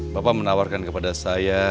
bapak menawarkan kepada saya